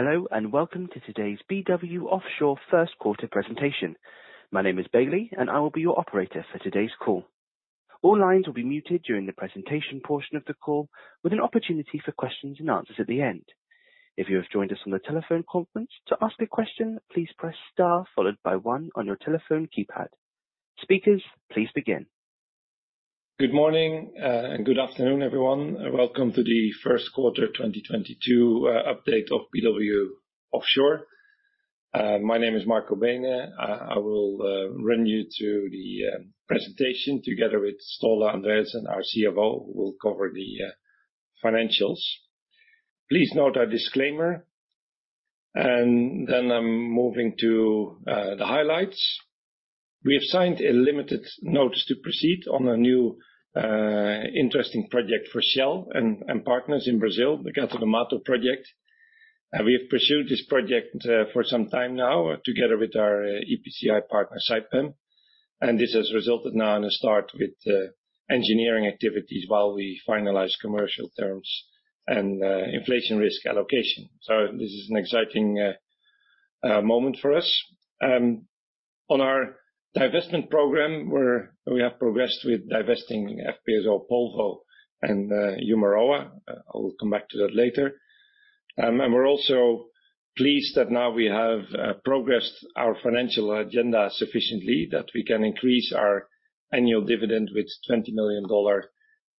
Hello, and welcome to today's BW Offshore first quarter presentation. My name is Bailey, and I will be your operator for today's call. All lines will be muted during the presentation portion of the call, with an opportunity for questions and answers at the end. If you have joined us on the telephone conference, to ask a question, please press star followed by one on your telephone keypad. Speakers, please begin. Good morning and good afternoon, everyone. Welcome to the first quarter 2022 update of BW Offshore. My name is Marco Beenen. I will run you through the presentation together with Staale Andreassen, our CFO, who will cover the financials. Please note our disclaimer, then I'm moving to the highlights. We have signed a limited notice to proceed on a new interesting project for Shell and partners in Brazil, the Gato do Mato project. We have pursued this project for some time now together with our EPCI partner, Saipem. This has resulted now in a start with engineering activities while we finalize commercial terms and inflation risk allocation. This is an exciting moment for us. On our divestment program, we have progressed with divesting FPSO Polvo and Umuroa. I'll come back to that later. We're also pleased that now we have progressed our financial agenda sufficiently that we can increase our annual dividend with $20 million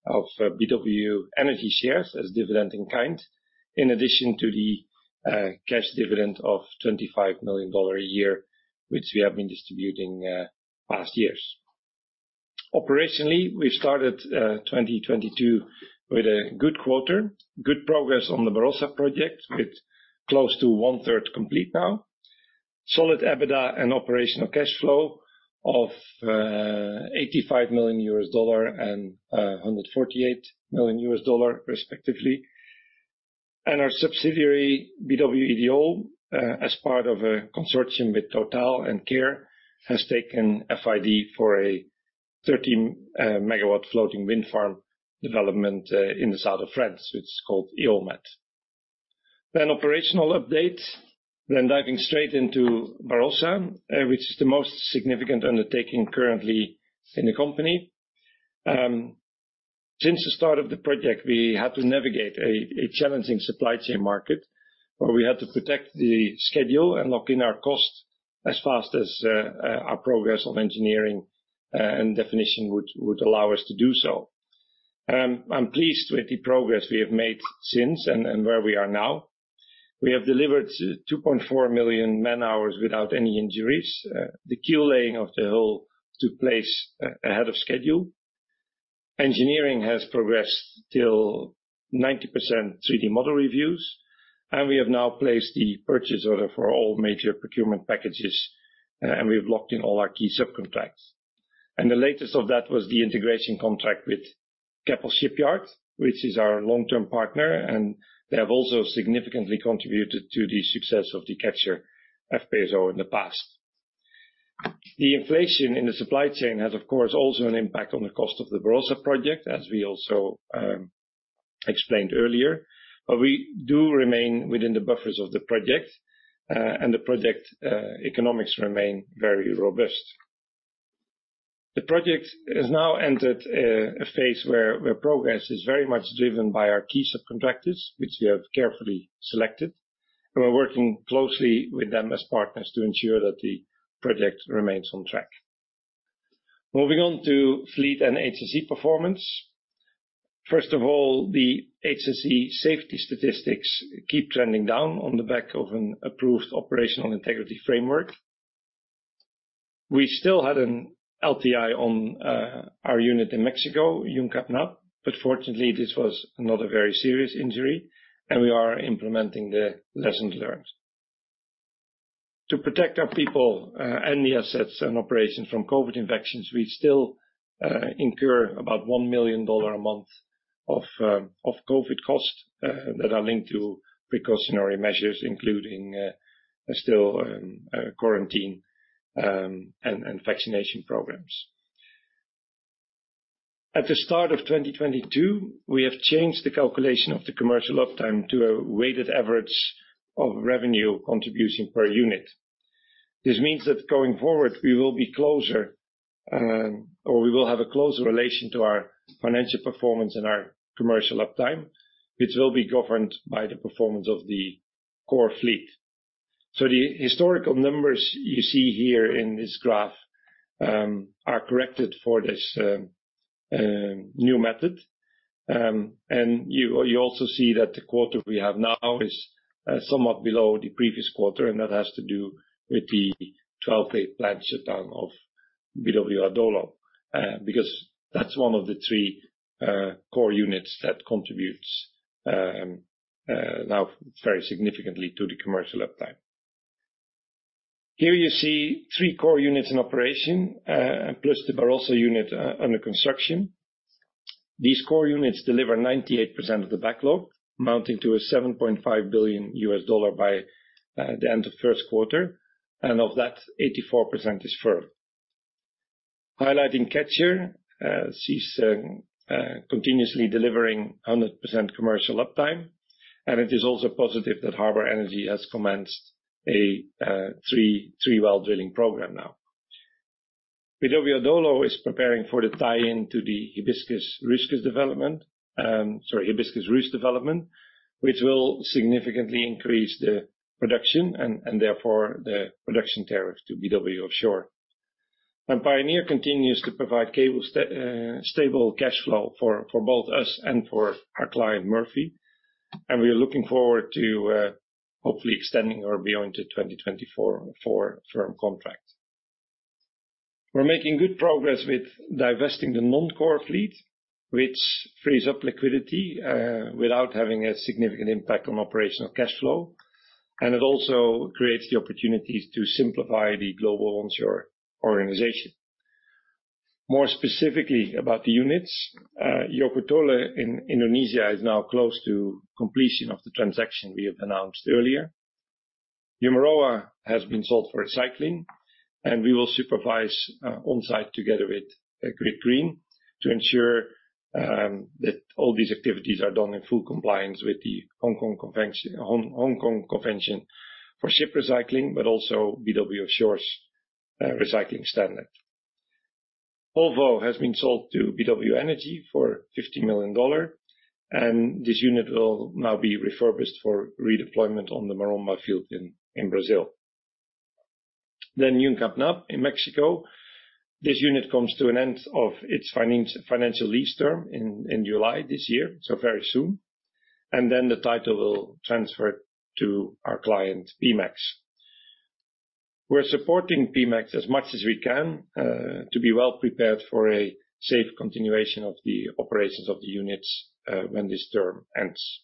of BW Energy shares as dividend in kind, in addition to the cash dividend of $25 million a year, which we have been distributing past years. Operationally, we started 2022 with a good quarter, good progress on the Barossa project, with close to one-third complete now. Solid EBITDA and operational cash flow of $85 million and $148 million respectively. Our subsidiary, BW Ideol, as part of a consortium with TotalEnergies and Qair, has taken FID for a 13 MW floating wind farm development in the south of France, which is called EolMed. Operational update, then diving straight into Barossa, which is the most significant undertaking currently in the company. Since the start of the project, we had to navigate a challenging supply chain market, where we had to protect the schedule and lock in our costs as fast as our progress on engineering and definition would allow us to do so. I'm pleased with the progress we have made since and where we are now. We have delivered 2.4 million man-hours without any injuries. The keel laying of the hull took place ahead of schedule. Engineering has progressed till 90% 3D model reviews, and we have now placed the purchase order for all major procurement packages, and we've locked in all our key subcontracts. The latest of that was the integration contract with Keppel Shipyard, which is our long-term partner, and they have also significantly contributed to the success of the Catcher FPSO in the past. The inflation in the supply chain has, of course, also an impact on the cost of the Barossa project, as we also explained earlier. We do remain within the buffers of the project, and the project economics remain very robust. The project has now entered a phase where progress is very much driven by our key subcontractors, which we have carefully selected, and we're working closely with them as partners to ensure that the project remains on track. Moving on to fleet and HSE performance. First of all, the HSE safety statistics keep trending down on the back of an approved operational integrity framework. We still had an LTI on our unit in Mexico, Yuum K Náab, but fortunately, this was not a very serious injury, and we are implementing the lessons learned. To protect our people and the assets and operations from COVID infections, we still incur about $1 million a month of COVID costs that are linked to precautionary measures, including still quarantine and vaccination programs. At the start of 2022, we have changed the calculation of the commercial uptime to a weighted average of revenue contribution per unit. This means that going forward, we will be closer or we will have a closer relation to our financial performance and our commercial uptime, which will be governed by the performance of the core fleet. The historical numbers you see here in this graph are corrected for this new method. You also see that the quarter we have now is somewhat below the previous quarter, and that has to do with the 12-day planned shutdown of BW Adolo, because that's one of the three core units that contributes now very significantly to the commercial uptime. Here you see three core units in operation, plus the Barossa unit under construction. These core units deliver 98% of the backlog, amounting to $7.5 billion by the end of first quarter, and of that, 84% is firm. Highlighting Catcher, she's continuously delivering 100% commercial uptime, and it is also positive that Harbour Energy has commenced a 3-well drilling program now. BW Adolo is preparing for the tie-in to the Hibiscus/Ruche development, which will significantly increase the production and therefore the production tariff to BW Offshore. BW Pioneer continues to provide stable cash flow for both us and for our client, Murphy Oil. We are looking forward to hopefully extending it beyond 2024 for firm contract. We're making good progress with divesting the non-core fleet, which frees up liquidity without having a significant impact on operational cash flow. It also creates the opportunities to simplify the global onshore organization. More specifically about the units, BW Joko Tole in Indonesia is now close to completion of the transaction we have announced earlier. Umuroa has been sold for recycling, and we will supervise on-site together with Grieg Green to ensure that all these activities are done in full compliance with The Hong Kong Convention for Ship Recycling, but also BW Offshore's recycling standard. Polvo has been sold to BW Energy for $50 million, and this unit will now be refurbished for redeployment on the Maromba field in Brazil. Yuum K Náab in Mexico, this unit comes to an end of its financial lease term in July this year, so very soon. The title will transfer to our client, Pemex. We're supporting Pemex as much as we can to be well prepared for a safe continuation of the operations of the units when this term ends.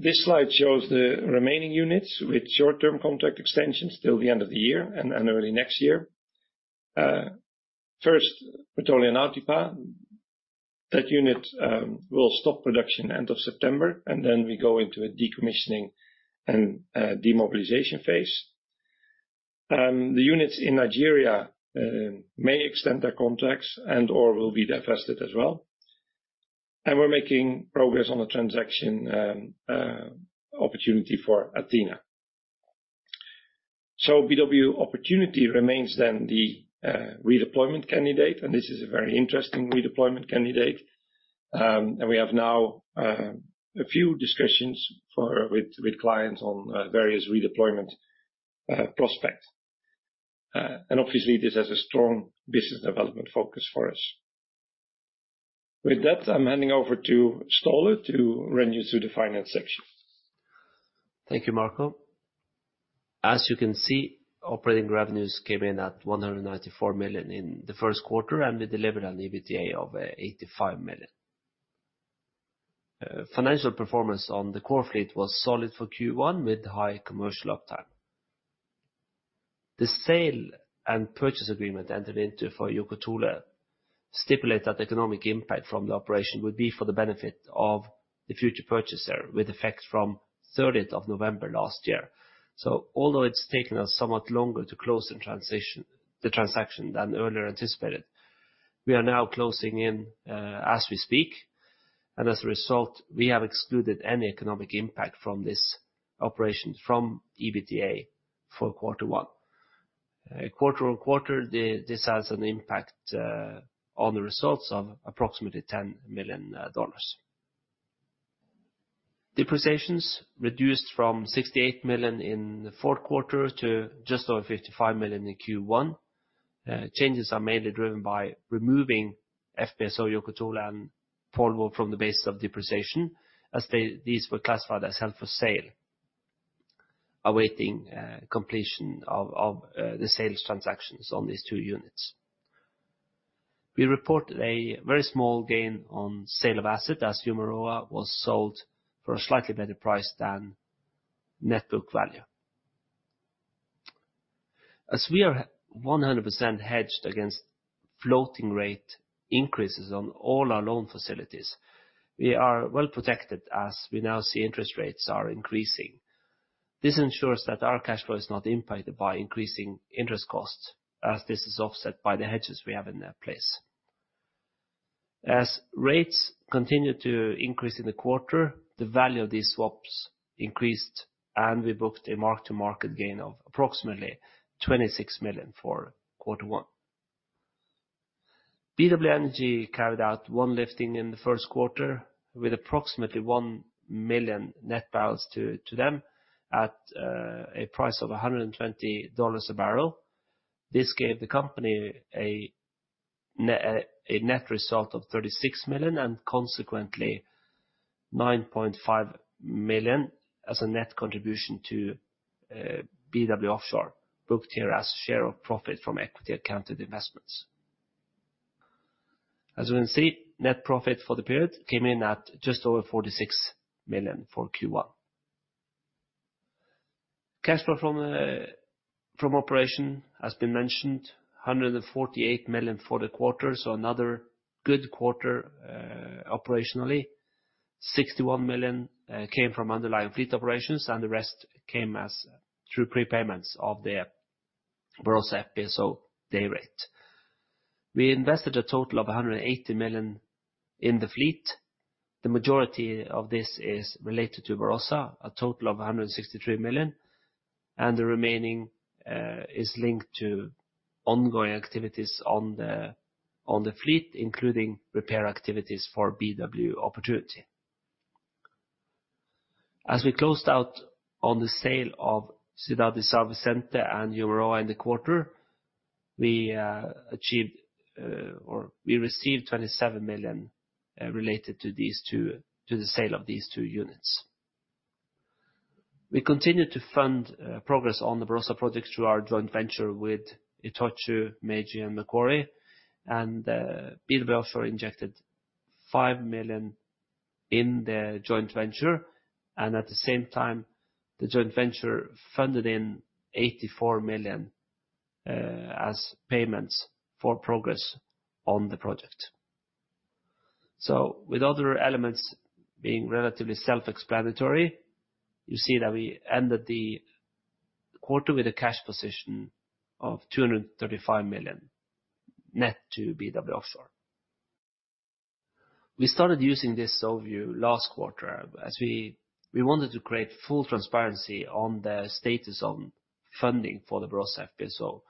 This slide shows the remaining units with short-term contract extensions till the end of the year and early next year. First, Petróleo Nautipa. That unit will stop production end of September, and then we go into a decommissioning and demobilization phase. The units in Nigeria may extend their contracts and/or will be divested as well. We're making progress on the transaction opportunity for Athena. BW Opportunity remains then the redeployment candidate, and this is a very interesting redeployment candidate. We have now a few discussions with clients on various redeployment prospects. Obviously this has a strong business development focus for us. With that, I'm handing over to Staale to run you through the finance section. Thank you, Marco. As you can see, operating revenues came in at 194 million in the first quarter, and we delivered an EBITDA of 85 million. Financial performance on the core fleet was solid for Q1 with high commercial uptime. The sale and purchase agreement entered into for BW Joko Tole stipulates that the economic impact from the operation would be for the benefit of the future purchaser with effect from thirteenth of November last year. Although it's taken us somewhat longer to close the transaction than earlier anticipated, we are now closing in as we speak. As a result, we have excluded any economic impact from this operation from EBITDA for quarter one. Quarter on quarter, this has an impact on the results of approximately $10 million. Depreciations reduced from $68 million in the fourth quarter to just over $55 million in Q1. Changes are mainly driven by removing FPSO Joko Tole and Polvo from the base of depreciation as these were classified as held for sale, awaiting completion of the sales transactions on these two units. We reported a very small gain on sale of asset as Umuroa was sold for a slightly better price than net book value. As we are 100% hedged against floating rate increases on all our loan facilities, we are well protected as we now see interest rates are increasing. This ensures that our cash flow is not impacted by increasing interest costs as this is offset by the hedges we have in place. As rates continued to increase in the quarter, the value of these swaps increased, and we booked a mark-to-market gain of approximately 26 million for quarter one. BW Energy carried out one lifting in the first quarter with approximately 1 million net barrels to them at a price of $120 a barrel. This gave the company a net result of 36 million and consequently 9.5 million as a net contribution to BW Offshore, booked here as share of profit from equity accounted investments. As you can see, net profit for the period came in at just over 46 million for Q1. Cash flow from operation has been mentioned, 148 million for the quarter, so another good quarter operationally. 61 million came from underlying fleet operations and the rest came through prepayments of the Barossa FPSO day rate. We invested a total of 180 million in the fleet. The majority of this is related to Barossa, a total of 163 million, and the remaining is linked to ongoing activities on the fleet, including repair activities for BW Opportunity. As we closed out on the sale of Cidade de São Vicente and Umuroa in the quarter, we received 27 million related to these two units. We continued to fund progress on the Barossa project through our joint venture with ITOCHU, Meiji, and Macquarie. BW Offshore injected 5 million in the joint venture, and at the same time, the joint venture funded in 84 million as payments for progress on the project. With other elements being relatively self-explanatory, you see that we ended the quarter with a cash position of 235 million net to BW Offshore. We started using this overview last quarter as we wanted to create full transparency on the status on funding for the Barossa FPSO.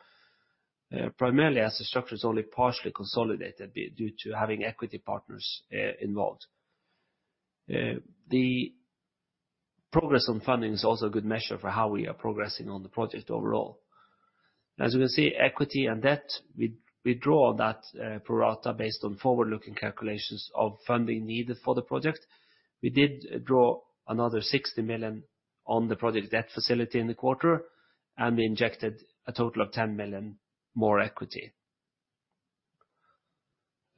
Primarily as the structure is only partially consolidated due to having equity partners involved. The progress on funding is also a good measure for how we are progressing on the project overall. As you can see, equity and debt, we draw that pro rata based on forward-looking calculations of funding needed for the project. We did draw another 60 million on the project debt facility in the quarter, and we injected a total of 10 million more equity.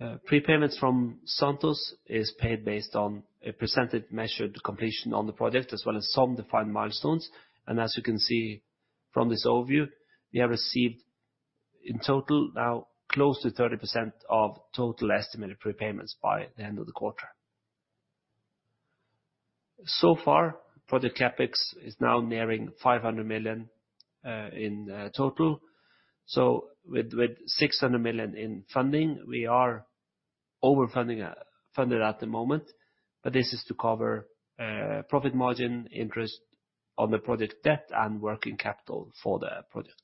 Prepayments from Santos is paid based on a percentage measured completion on the project, as well as some defined milestones. As you can see from this overview, we have received in total now close to 30% of total estimated prepayments by the end of the quarter. So far, project CapEx is now nearing 500 million in total. With six hundred million in funding, we are overfunded at the moment, but this is to cover profit margin interest on the project debt and working capital for the project.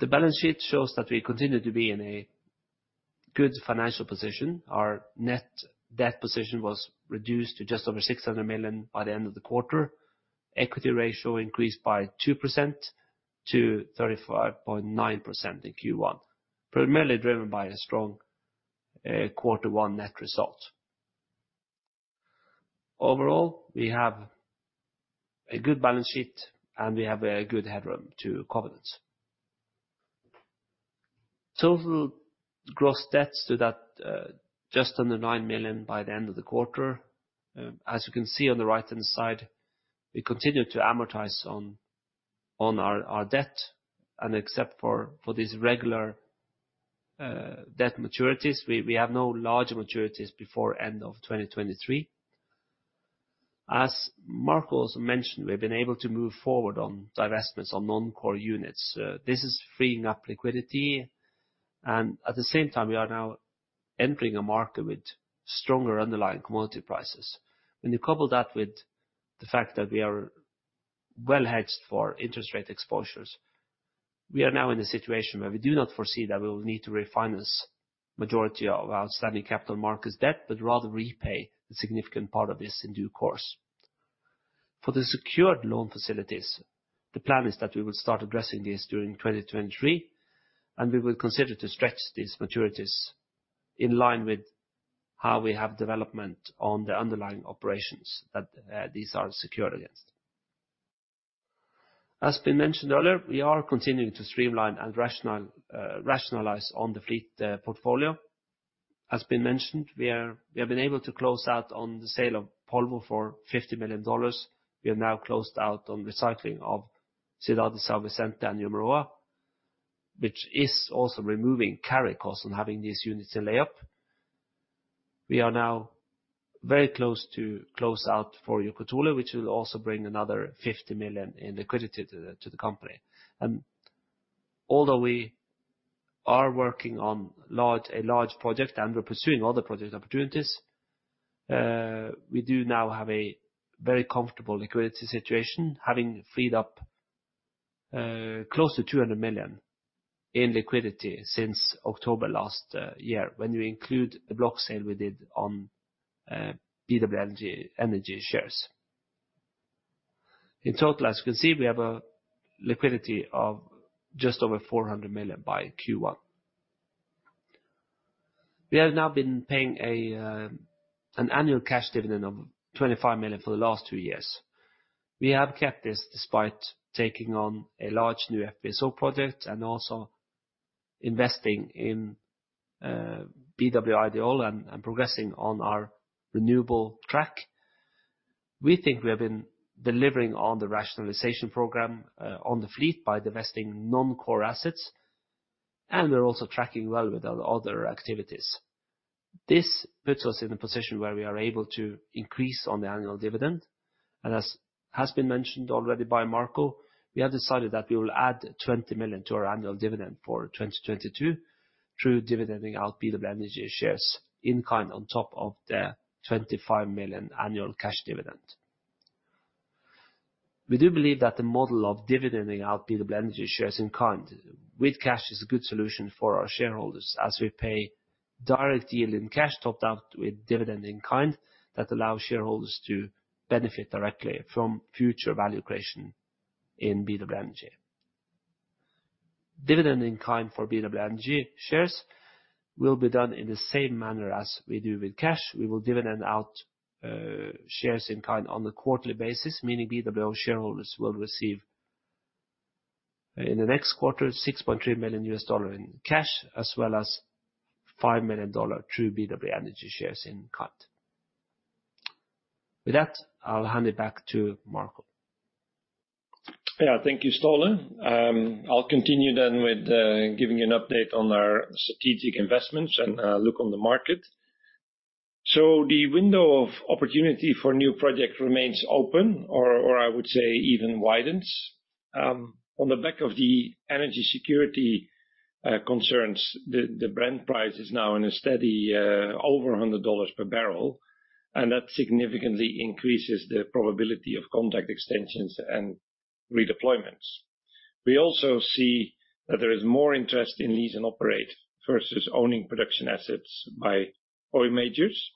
The balance sheet shows that we continue to be in a good financial position. Our net debt position was reduced to just over 600 million by the end of the quarter. Equity ratio increased by 2%-35.9% in Q1, primarily driven by a strong Q1 net result. Overall, we have a good balance sheet and we have a good headroom to covenants. Total gross debts stood at just under 900 million by the end of the quarter. As you can see on the right-hand side, we continue to amortize on our debt. Except for these regular debt maturities, we have no large maturities before end of 2023. As Marco has mentioned, we've been able to move forward on divestments on non-core units. This is freeing up liquidity and at the same time we are now entering a market with stronger underlying commodity prices. When you couple that with the fact that we are well hedged for interest rate exposures, we are now in a situation where we do not foresee that we will need to refinance the majority of outstanding capital markets debt, but rather repay the significant part of this in due course. For the secured loan facilities, the plan is that we will start addressing this during 2023 and we will consider to stretch these maturities in line with how the development on the underlying operations that these are secured against. As has been mentioned earlier, we are continuing to streamline and rationalize our fleet portfolio. As has been mentioned, we have been able to close out on the sale of Polvo for $50 million. We have now closed out on recycling of Cidade de São Vicente and Umuroa, which is also removing carry costs on having these units in layup. We are now very close to close out for Yuum K Náab, which will also bring another 50 million in liquidity to the company. Although we are working on a large project and we're pursuing other project opportunities, we do now have a very comfortable liquidity situation having freed up close to 200 million in liquidity since October last year when we include the block sale we did on BW Energy shares. In total, as you can see, we have a liquidity of just over 400 million by Q1. We have now been paying an annual cash dividend of 25 million for the last two years. We have kept this despite taking on a large new FPSO project and also investing in BW Ideol and progressing on our renewable track. We think we have been delivering on the rationalization program on the fleet by divesting non-core assets, and we're also tracking well with our other activities. This puts us in a position where we are able to increase in the annual dividend. As has been mentioned already by Marco, we have decided that we will add 20 million to our annual dividend for 2022 through dividending out BW Energy shares in kind on top of the 25 million annual cash dividend. We do believe that the model of dividending out BW Energy shares in kind with cash is a good solution for our shareholders as we pay direct deal in cash topped out with dividend in kind that allows shareholders to benefit directly from future value creation in BW Energy. Dividend in kind for BW Energy shares will be done in the same manner as we do with cash. We will dividend out shares in kind on the quarterly basis, meaning BWO shareholders will receive in the next quarter $6.3 million in cash as well as $5 million through BW Energy shares in kind. With that, I'll hand it back to Marco. Yeah, thank you, Staale. I'll continue then with giving you an update on our strategic investments and look on the market. The window of opportunity for new project remains open or I would say even widens. On the back of the energy security concerns, the Brent price is now in a steady over $100 per barrel, and that significantly increases the probability of contract extensions and redeployments. We also see that there is more interest in lease and operate versus owning production assets by oil majors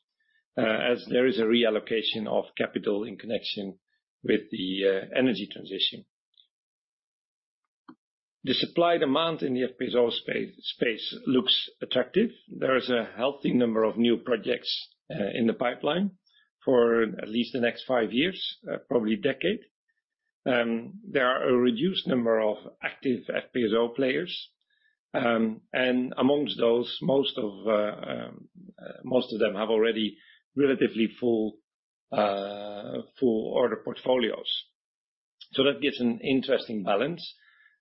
as there is a reallocation of capital in connection with the energy transition. The supply demand in the FPSO space looks attractive. There is a healthy number of new projects in the pipeline for at least the next five years, probably a decade. There are a reduced number of active FPSO players. Amongst those, most of them have already relatively full order portfolios. That gives an interesting balance.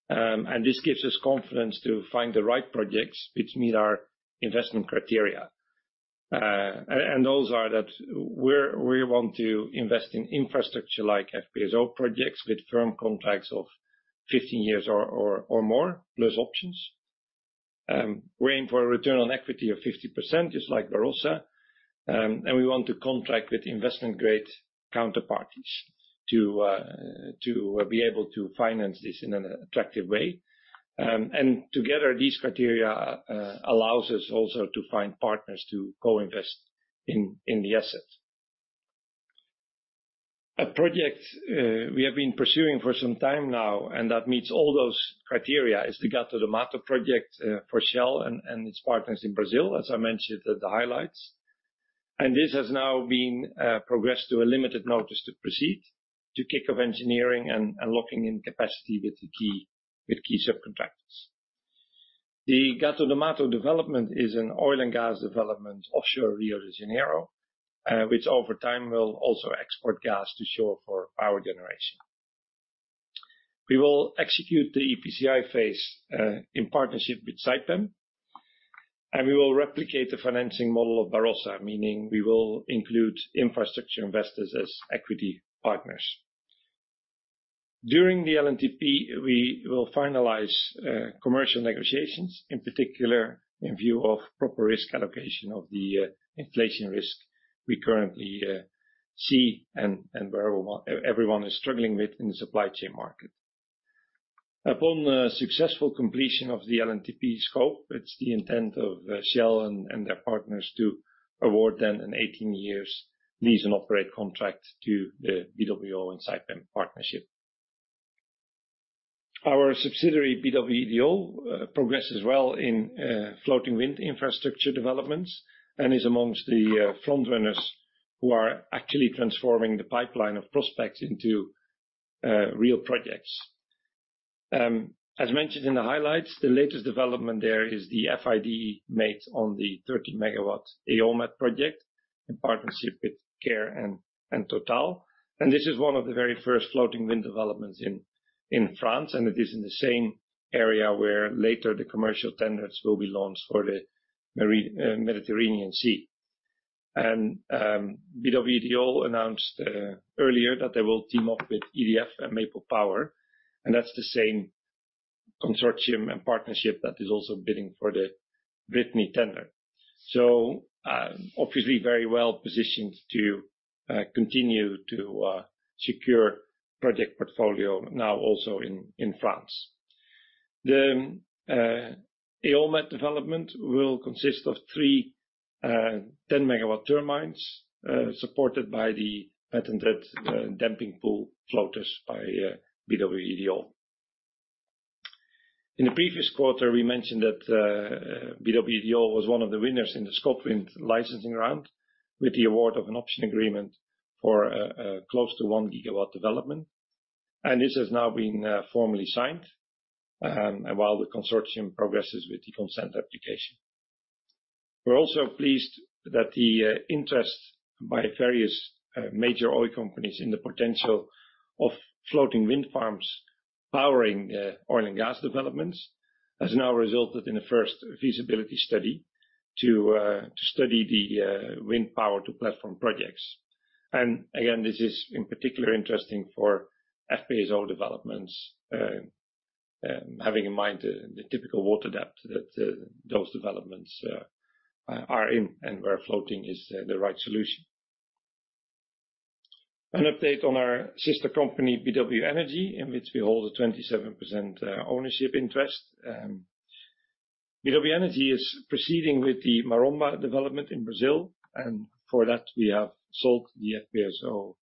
This gives us confidence to find the right projects which meet our investment criteria. Those are that we want to invest in infrastructure like FPSO projects with firm contracts of 15 years or more, plus options. We aim for a return on equity of 50%, just like Barossa. We want to contract with investment-grade counterparties to be able to finance this in an attractive way. Together, these criteria allows us also to find partners to co-invest in the assets. A project we have been pursuing for some time now, and that meets all those criteria, is the Gato do Mato project for Shell and its partners in Brazil, as I mentioned at the highlights. This has now been progressed to a limited notice to proceed, to kick off engineering and locking in capacity with the key subcontractors. The Gato do Mato development is an oil and gas development offshore Rio de Janeiro, which over time will also export gas to shore for power generation. We will execute the EPCI phase in partnership with Saipem, and we will replicate the financing model of Barossa, meaning we will include infrastructure investors as equity partners. During the LNTP, we will finalize commercial negotiations, in particular, in view of proper risk allocation of the inflation risk we currently see and where everyone is struggling with in the supply chain market. Upon successful completion of the LNTP scope, it's the intent of Shell and their partners to award them an 18-year lease and operate contract to the BWO and Saipem partnership. Our subsidiary, BW Ideol, progresses well in floating wind infrastructure developments and is amongst the frontrunners who are actually transforming the pipeline of prospects into real projects. As mentioned in the highlights, the latest development there is the FID made on the 30-megawatt EolMed project in partnership with Qair and TotalEnergies. This is one of the very first floating wind developments in France, and it is in the same area where later the commercial tenders will be launched for the Mediterranean Sea. BW Ideol announced earlier that they will team up with EDF and Maple Power, and that's the same consortium and partnership that is also bidding for the Brittany tender. Obviously very well-positioned to continue to secure project portfolio now also in France. The EolMed development will consist of three 10-megawatt turbines supported by the patented Damping Pool floaters by BW Ideol. In the previous quarter, we mentioned that BW Ideol was one of the winners in the ScotWind licensing round with the award of an option agreement for close to 1 GW development. This has now been formally signed while the consortium progresses with the consent application. We're also pleased that the interest by various major oil companies in the potential of floating wind farms powering oil and gas developments has now resulted in the first feasibility study to study the wind power to platform projects. Again, this is in particular interesting for FPSO developments, having in mind the typical water depth that those developments are in and where floating is the right solution. An update on our sister company, BW Energy, in which we hold a 27% ownership interest. BW Energy is proceeding with the Maromba development in Brazil, and for that we have sold the FPSO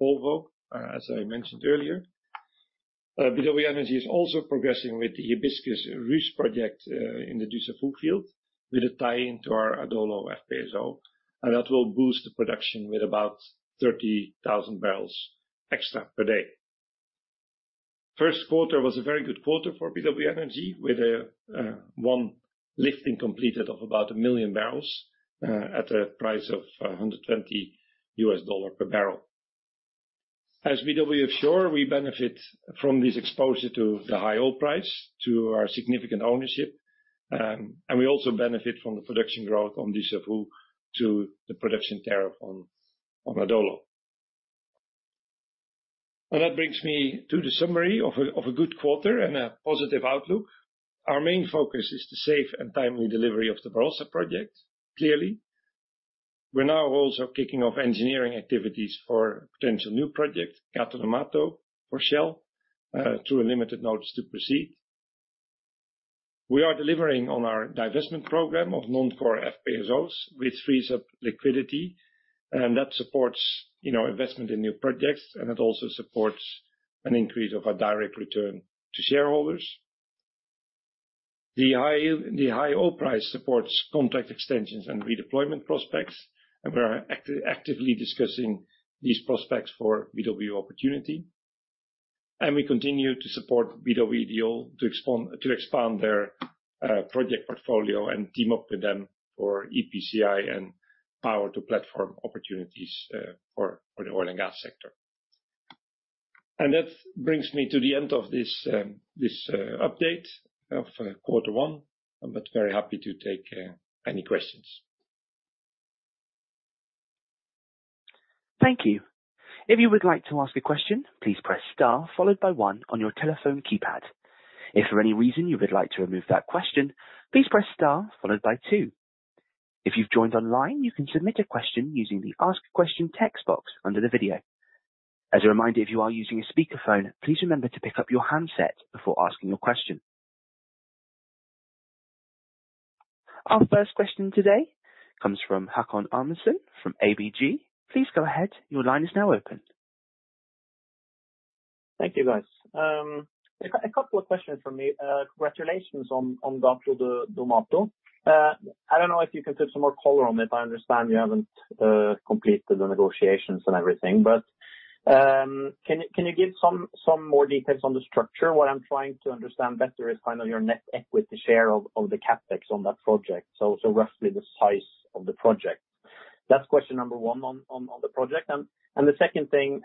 Polvo, as I mentioned earlier. BW Energy is also progressing with the Hibiscus Ruche project in the Dussafu field with a tie into our Adolo FPSO, and that will boost the production with about 30,000 barrels extra per day. First quarter was a very good quarter for BW Energy with one lifting completed of about 1 million barrels at a price of $120 per barrel. As BW Offshore, we benefit from this exposure to the high oil price to our significant ownership, and we also benefit from the production growth on Dussafu to the production tariff on Adolo. That brings me to the summary of a good quarter and a positive outlook. Our main focus is the safe and timely delivery of the Barossa project, clearly. We're now also kicking off engineering activities for potential new project, Gato do Mato for Shell, through a limited notice to proceed. We are delivering on our divestment program of non-core FPSOs, which frees up liquidity, and that supports investment in new projects, and it also supports an increase of our direct return to shareholders. The high oil price supports contract extensions and redeployment prospects, and we are actively discussing these prospects for BW Opportunity. We continue to support BW Ideol to expand their project portfolio and team up with them for EPCI and power to platform opportunities, for the oil and gas sector. That brings me to the end of this update of quarter one, but very happy to take any questions. Thank you. If you would like to ask a question, please press star followed by one on your telephone keypad. If for any reason you would like to remove that question, please press star followed by two. If you've joined online, you can submit a question using the ask question text box under the video. As a reminder, if you are using a speakerphone, please remember to pick up your handset before asking your question. Our first question today comes from Haakon Amundsen from ABG. Please go ahead. Your line is now open. Thank you, guys. A couple of questions from me. Congratulations on Gato do Mato. I don't know if you can put some more color on it. I understand you haven't completed the negotiations and everything. Can you give some more details on the structure? What I'm trying to understand better is kind of your net equity share of the CapEx on that project, so roughly the size of the project. That's question number one on the project. The second thing,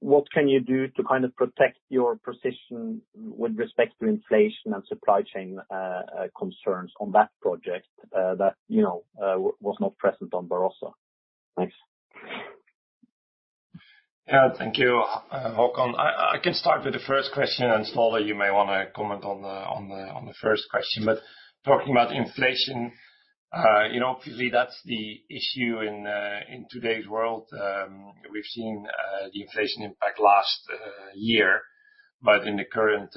what can you do to kind of protect your position with respect to inflation and supply chain concerns on that project, that you know was not present on Barossa? Thanks. Yeah. Thank you, Haakon. I can start with the first question, and Staale you may wanna comment on the first question. Talking about inflation, you know, obviously that's the issue in today's world. We've seen the inflation impact last year. In the current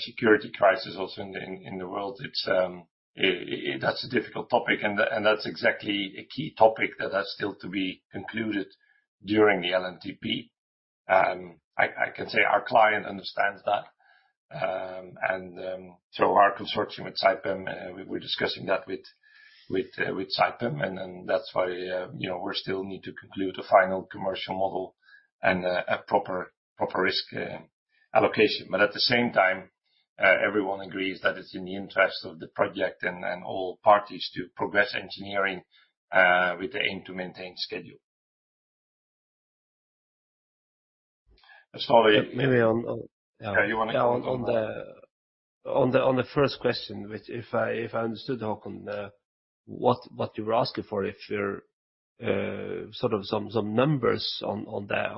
security crisis also in the world, it's a difficult topic, and that's exactly a key topic that has still to be concluded during the LNTP. I can say our client understands that. Our consortium with Saipem, we're discussing that with Saipem, and then that's why, you know, we still need to conclude a final commercial model and a proper risk allocation. At the same time, everyone agrees that it's in the interest of the project and all parties to progress engineering, with the aim to maintain schedule. Staale- Maybe on- Yeah, you wanna comment on that one? On the first question which if I understood, Haakon, what you were asking for, if you're sort of some numbers on that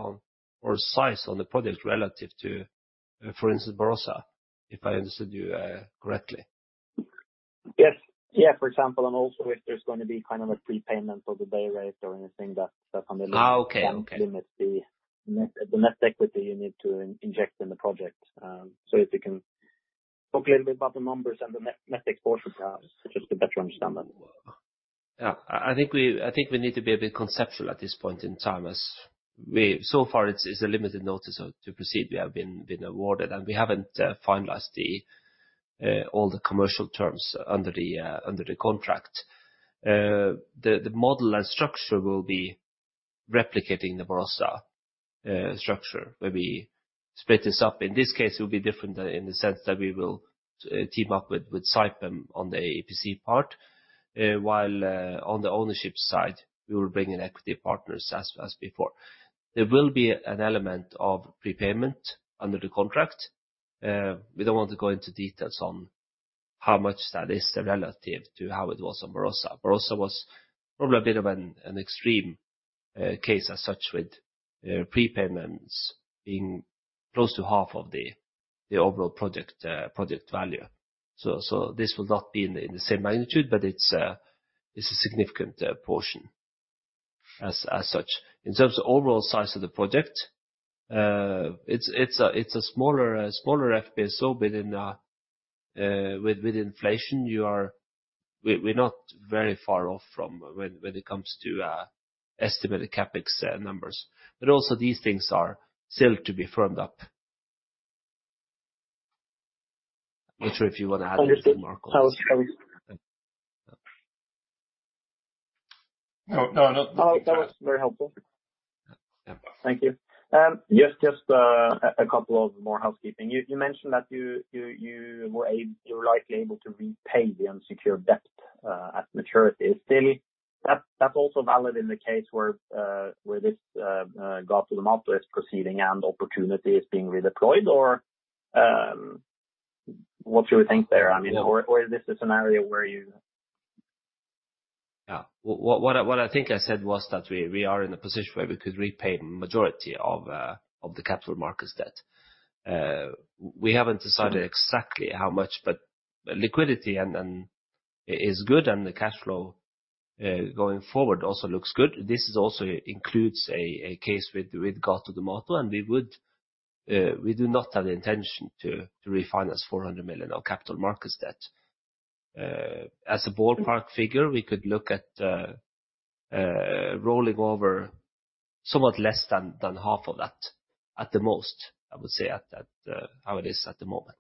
or size on the project relative to, for instance, Barossa, if I understood you correctly. Yes. Yeah, for example, and also if there's going to be kind of a prepayment of the day rate or anything that's on the Oh, okay. Okay limits the net equity you need to inject in the project. If you can talk a little bit about the numbers and the net exposure, just to better understand that. I think we need to be a bit conceptual at this point in time. So far it's a Limited Notice to Proceed we have been awarded, and we haven't finalized all the commercial terms under the contract. The model and structure will be replicating the Barossa structure where we split this up. In this case, it will be different in the sense that we will team up with Saipem on the EPC part, while on the ownership side, we will bring in equity partners as before. There will be an element of prepayment under the contract. We don't want to go into details on how much that is relative to how it was on Barossa. Barossa was probably a bit of an extreme case as such with prepayments being close to half of the overall project value. This will not be in the same magnitude, but it's a significant portion as such. In terms of overall size of the project, it's a smaller FPSO, but with inflation, we're not very far off from when it comes to estimated CapEx numbers. Also these things are still to be firmed up. I'm not sure if you wanna add a little more, Claus. That was. No, no. That was very helpful. Yeah. Thank you. Just a couple more housekeeping. You mentioned that you're likely able to repay the unsecured debt at maturity. That's also valid in the case where this Gato do Mato is proceeding and BW Opportunity is being redeployed or what should we think there? I mean Yeah. Is this a scenario where you? Yeah. What I think I said was that we are in a position where we could repay majority of the capital markets debt. We haven't decided exactly how much, but liquidity and it is good and the cash flow going forward also looks good. This also includes a case with Gato do Mato, and we do not have the intention to refinance $400 million of capital markets debt. As a ballpark figure, we could look at rolling over somewhat less than half of that at the most, I would say as it is at the moment.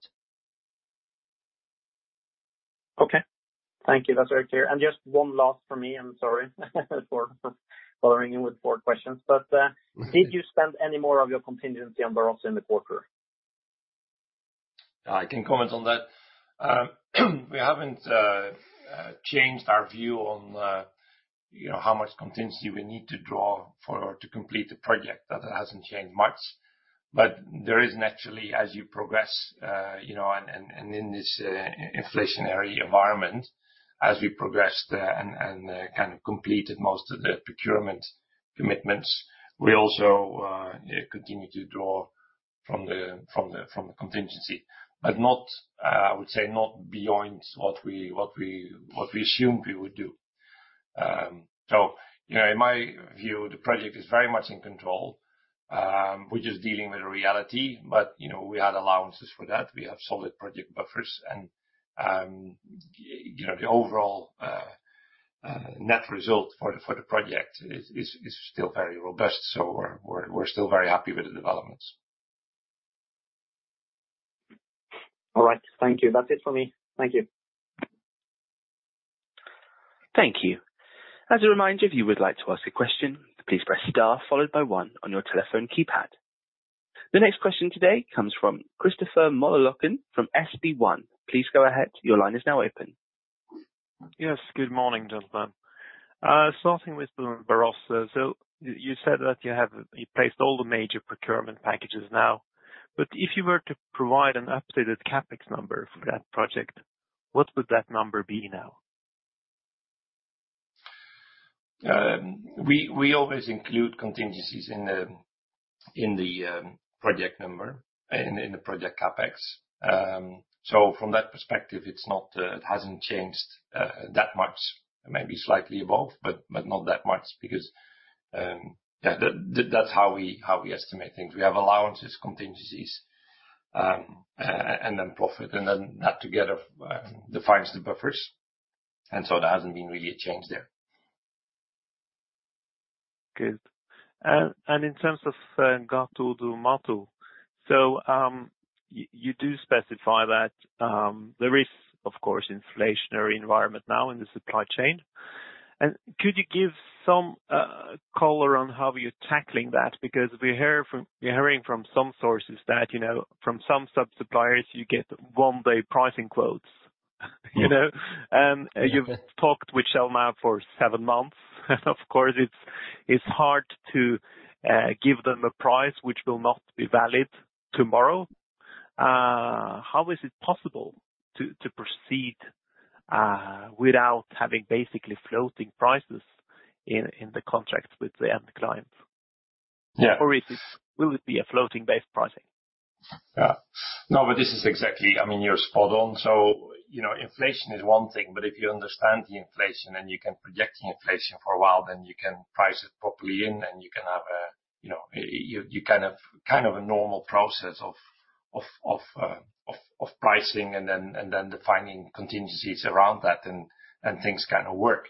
Okay. Thank you. That's very clear. Just one last for me. I'm sorry for bothering you with four questions, but. Mm-hmm. Did you spend any more of your contingency on Barossa in the quarter? I can comment on that. We haven't changed our view on you know, how much contingency we need to draw for to complete the project. That hasn't changed much. There is naturally, as you progress, you know, and in this inflationary environment, as we progress there and kind of completed most of the procurement commitments, we also continue to draw from the contingency. Not, I would say not beyond what we assumed we would do. You know, in my view, the project is very much in control. We're just dealing with reality, but you know, we had allowances for that. We have solid project buffers and, you know, the overall net result for the project is still very robust. We're still very happy with the developments. All right. Thank you. That's it for me. Thank you. Thank you. As a reminder, if you would like to ask a question, please press star followed by one on your telephone keypad. The next question today comes from Christopher Mollerlokken from SB1. Please go ahead. Your line is now open. Yes. Good morning, gentlemen. Starting with Barossa. You said that you have placed all the major procurement packages now, but if you were to provide an updated CapEx number for that project, what would that number be now? We always include contingencies in the project number, in the project CapEx. From that perspective, it hasn't changed that much. Maybe slightly above, but not that much because that's how we estimate things. We have allowances, contingencies, and then profit, and then that together defines the buffers. There hasn't been really a change there. Good. In terms of Gato do Mato, you do specify that there is, of course, inflationary environment now in the supply chain. Could you give some color on how you're tackling that? Because we're hearing from some sources that, you know, from some sub-suppliers, you get one-day pricing quotes, you know. Yeah. You've talked with Shell now for seven months, and of course, it's hard to give them a price which will not be valid tomorrow. How is it possible to proceed without having basically floating prices in the contracts with the end clients? Yeah. Will it be a floating-based pricing? Yeah. No, but this is exactly, I mean, you're spot on. You know, inflation is one thing, but if you understand the inflation and you can project the inflation for a while, then you can price it properly in and you can have a, you know, you can have kind of a normal process of pricing and then defining contingencies around that and things kinda work.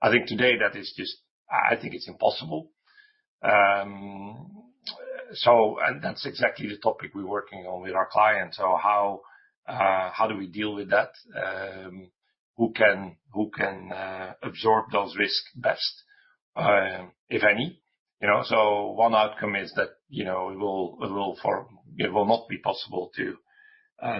I think today that is just. I think it's impossible. That's exactly the topic we're working on with our clients. How do we deal with that? Who can absorb those risks best, if any, you know? One outcome is that, you know, it will for. It will not be possible to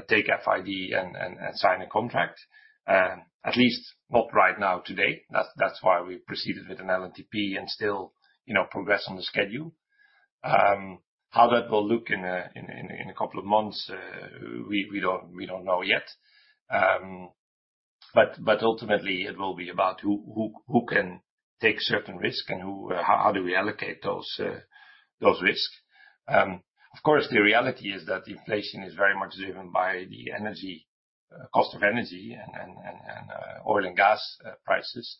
take FID and sign a contract, at least not right now today. That's why we proceeded with an LNTP and still, you know, progress on the schedule. How that will look in a couple of months, we don't know yet. Ultimately it will be about who can take certain risk and how do we allocate those risks. Of course, the reality is that inflation is very much driven by the energy cost of energy and oil and gas prices.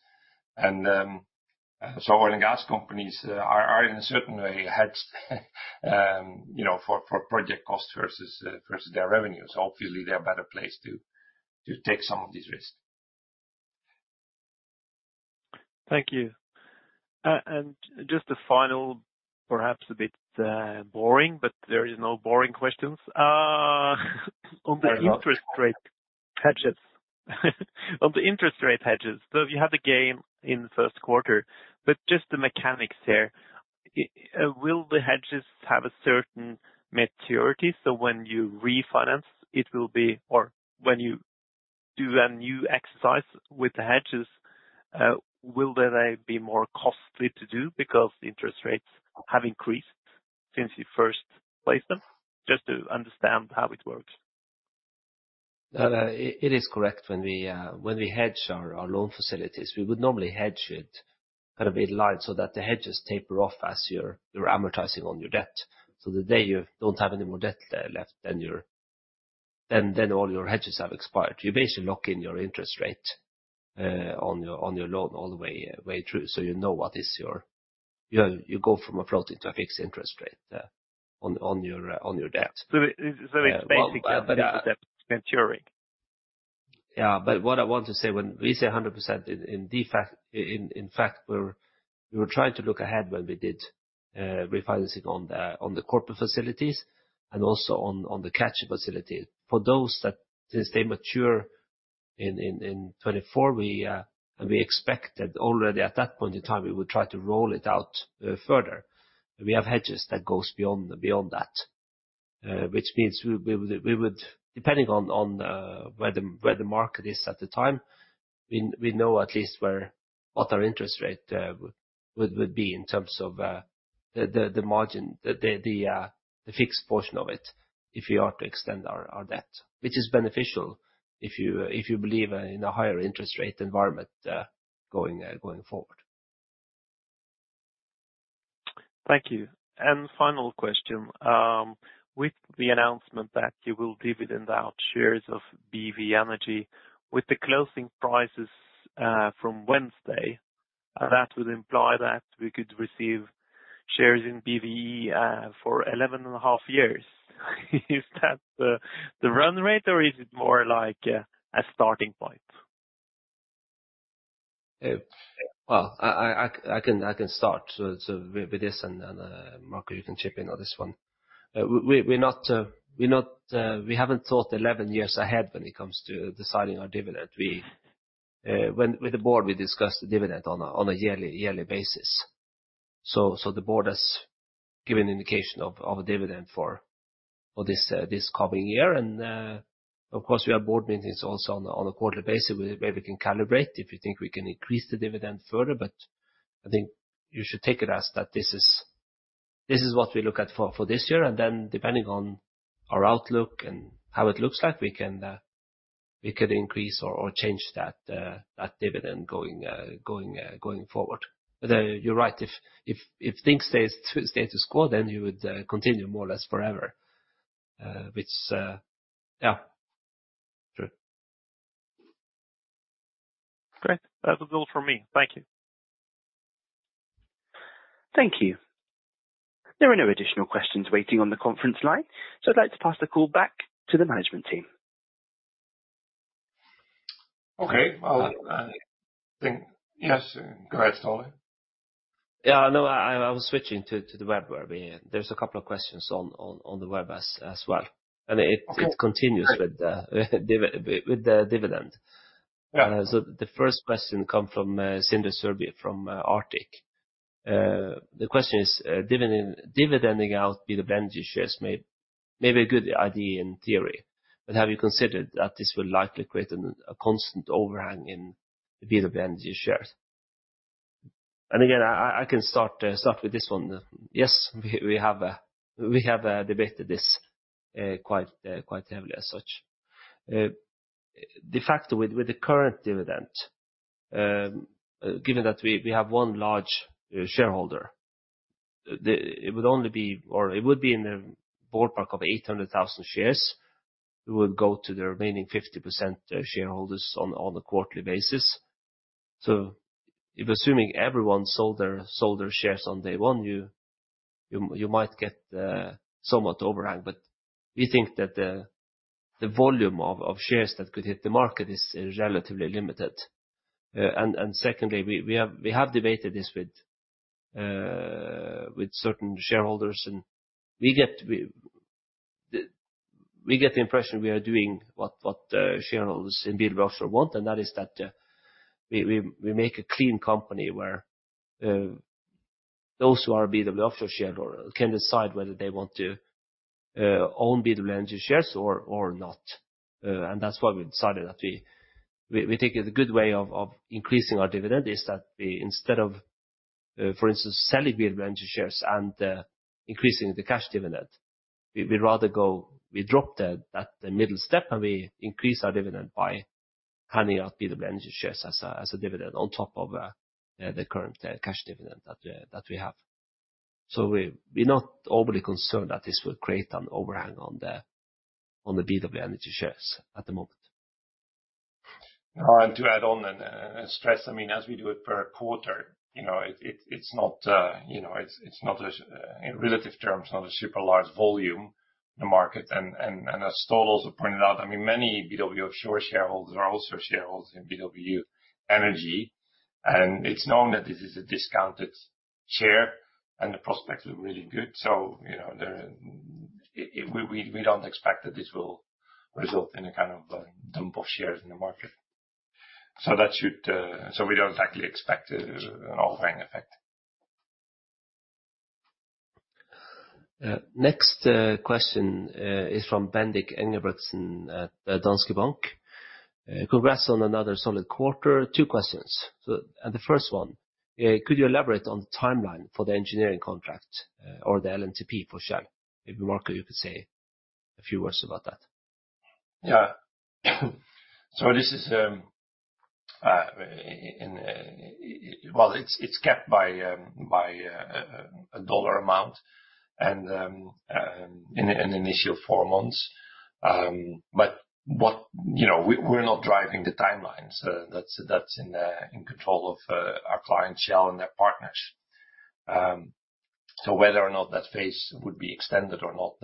Oil and gas companies are in a certain way hedged, you know, for project cost versus their revenues. Obviously they're a better place to take some of these risks. Thank you. Just a final, perhaps a bit, boring, but there is no boring questions. On the interest rate hedges. You have the gain in first quarter, but just the mechanics there. Will the hedges have a certain maturity, so when you refinance it will be, or when you do a new exercise with the hedges, will they be more costly to do because interest rates have increased since you first placed them? Just to understand how it works. It is correct. When we hedge our loan facilities, we would normally hedge it kind of a bit light so that the hedges taper off as you're amortizing on your debt. The day you don't have any more debt left, then all your hedges have expired. You basically lock in your interest rate on your loan all the way through. You go from a floating to a fixed interest rate on your debt. It's basically maturing. Yeah. What I want to say, when we say 100% in fact, we were trying to look ahead when we did refinancing on the corporate facilities and also on the Catcher facility. For those that since they mature in 2024, and we expect that already at that point in time, we will try to roll it out further. We have hedges that goes beyond that. Which means we would depending on where the market is at the time, we know at least what our interest rate would be in terms of the margin, the fixed portion of it if we are to extend our debt. Which is beneficial if you believe in a higher interest rate environment, going forward. Thank you. Final question. With the announcement that you will dividend out shares of BW Energy with the closing prices from Wednesday, that would imply that we could receive shares in BVE for 11.5 years. Is that the run rate or is it more like a starting point? I can start with this and, Marco, you can chip in on this one. We're not. We haven't thought 11 years ahead when it comes to deciding our dividend. With the board, we discuss the dividend on a yearly basis. The board has given an indication of a dividend for this coming year. Of course we have board meetings also on a quarterly basis where we can calibrate if we think we can increase the dividend further. I think you should take it as that this is what we look at for this year. Depending on our outlook and how it looks like, we could increase or change that dividend going forward. You're right. If things stay the course, then you would continue more or less forever. Yeah. True. Great. That's all from me. Thank you. Thank you. There are no additional questions waiting on the conference line, so I'd like to pass the call back to the management team. Okay. Yes. Go ahead, Staale. Yeah, no, I was switching to the web where we. There's a couple of questions on the web as well. It continues with the dividend. Yeah. The first question comes from Sindre Sørbye from Arctic. The question is, dividending out BW Energy shares may be a good idea in theory, but have you considered that this will likely create a constant overhang in the BW Energy shares? Again, I can start with this one. Yes, we have debated this quite heavily as such. The fact with the current dividend, given that we have one large shareholder, it would only be, or it would be in the ballpark of 800,000 shares. It would go to the remaining 50% shareholders on a quarterly basis. If assuming everyone sold their shares on day one, you might get somewhat overhang. We think that the volume of shares that could hit the market is relatively limited. Secondly, we have debated this with certain shareholders and we get the impression we are doing what shareholders in BW Offshore want, and that is that we make a clean company where those who are BW Offshore shareholder can decide whether they want to own BW Energy shares or not. That's why we decided that we think a good way of increasing our dividend is that we instead of for instance, selling BW Energy shares and increasing the cash dividend, we'd rather go. We drop the middle step, and we increase our dividend by handing out BW Energy shares as a dividend on top of the current cash dividend that we have. We're not overly concerned that this will create an overhang on the BW Energy shares at the moment. To add on and stress, I mean, as we do it per quarter, you know, it's not, in relative terms, not a super large volume in the market. As Ståle also pointed out, I mean, many BW Offshore shareholders are also shareholders in BW Energy. It's known that this is a discounted share and the prospects look really good. You know, we don't expect that this will result in a kind of a dump of shares in the market. That should. We don't actually expect an overhang effect. Next question is from Bendik Enger-Olsen at Danske Bank. Congrats on another solid quarter. Two questions. The first one, could you elaborate on the timeline for the engineering contract or the LNTP for Shell? Maybe, Marco, you could say a few words about that. This is capped by a dollar amount and in an initial four months. You know, we're not driving the timelines. That's in control of our client, Shell, and their partners. Whether or not that phase would be extended or not,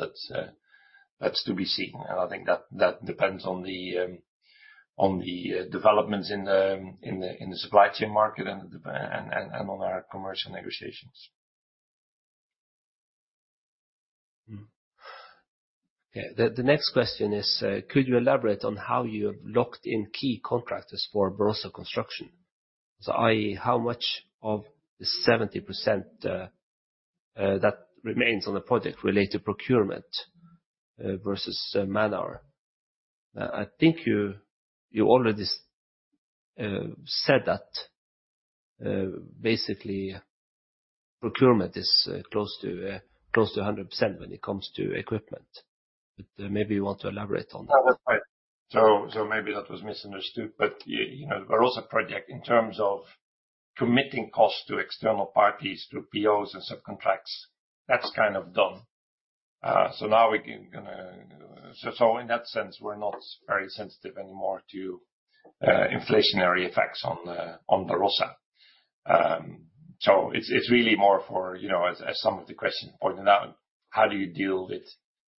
that's to be seen. I think that depends on the developments in the supply chain market and on our commercial negotiations. Okay. The next question is, could you elaborate on how you have locked in key contractors for Barossa construction? So, i.e., how much of the 70% that remains on the project relate to procurement versus man-hour? I think you already said that, basically procurement is close to 100% when it comes to equipment. Maybe you want to elaborate on that. That was right. Maybe that was misunderstood. You know, Barossa project in terms of committing costs to external parties through POs and subcontracts, that's kind of done. Now we can. In that sense, we're not very sensitive anymore to inflationary effects on Barossa. It's really more for, you know, as some of the questions pointed out, how do you deal with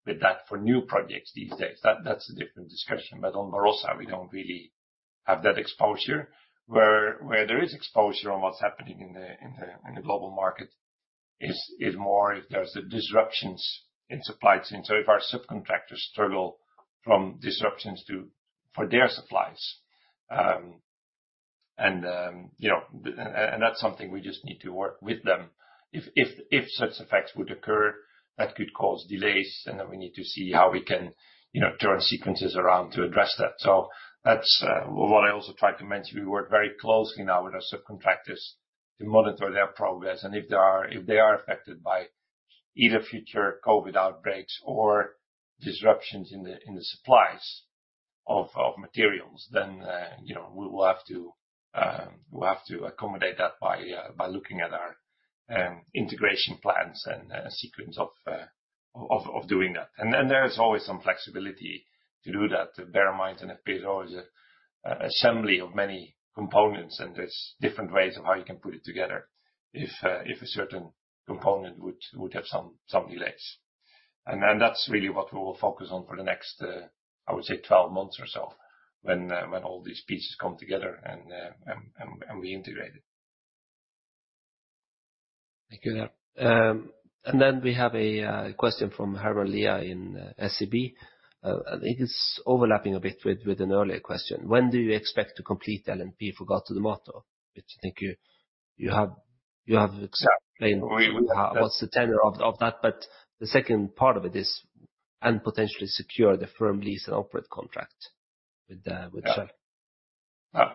that for new projects these days? That's a different discussion. On Barossa, we don't really have that exposure. Where there is exposure on what's happening in the global market is more if there's disruptions in supply chain. If our subcontractors struggle from disruptions for their supplies, and you know, and that's something we just need to work with them. If such effects would occur, that could cause delays, and then we need to see how we can, you know, turn sequences around to address that. That's what I also tried to mention. We work very closely now with our subcontractors to monitor their progress. If they are affected by either future COVID outbreaks or disruptions in the supplies of materials, then, you know, we will have to accommodate that by looking at our integration plans and sequence of doing that. There is always some flexibility to do that. Bear in mind an FPSO is an assembly of many components, and there's different ways of how you can put it together if a certain component would have some delays. That's really what we will focus on for the next, I would say, 12 months or so when all these pieces come together and we integrate it. Thank you. We have a question from Harald Nya in SEB. I think it's overlapping a bit with an earlier question. When do you expect to complete the LNTP for Gato do Mato? Which I think you have explained. Yeah. What's the tenor of that. The second part of it is and potentially secure the firm lease and operate contract with Shell. Yeah.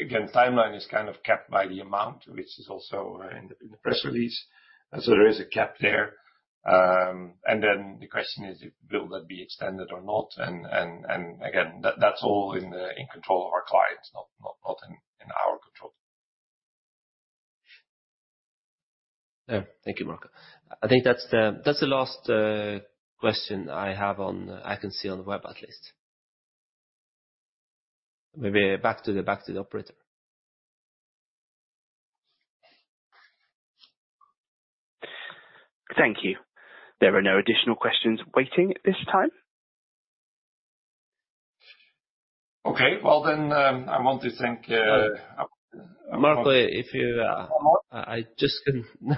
Again, timeline is kind of capped by the amount, which is also in the press release. There is a cap there. The question is, will that be extended or not? Again, that's all in control of our clients, not in our control. Yeah. Thank you, Marco. I think that's the last question I have. I can see on the web at least. Maybe back to the operator. Thank you. There are no additional questions waiting at this time. Okay. Well, I want to thank. Marco, if you Oh.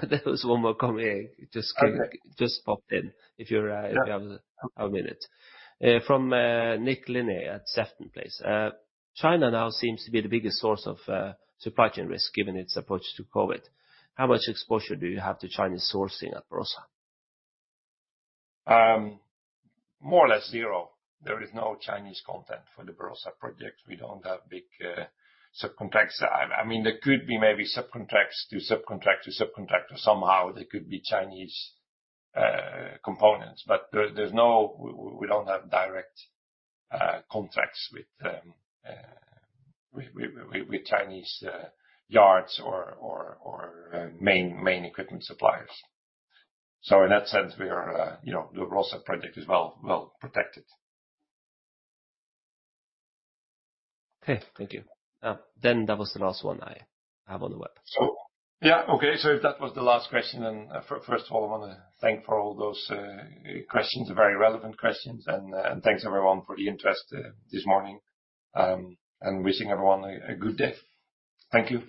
There was one more coming in. It just came. Okay. Just popped in. If you, Yeah. From Nick Linnane at Sefton Place. China now seems to be the biggest source of supply chain risk given its approach to COVID. How much exposure do you have to Chinese sourcing at Barossa? More or less zero. There is no Chinese content for the Barossa project. We don't have big subcontracts. I mean, there could be maybe subcontracts to subcontract to subcontractor. Somehow there could be Chinese components. But we don't have direct contracts with Chinese yards or main equipment suppliers. So in that sense, we are, you know, the Barossa project is well protected. Okay. Thank you. That was the last one I have on the web. If that was the last question, then first of all, I wanna thank for all those questions, very relevant questions. Thanks everyone for the interest this morning. Wishing everyone a good day. Thank you.